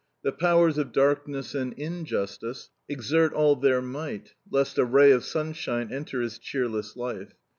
The powers of darkness and injustice exert all their might lest a ray of sunshine enter his cheerless life.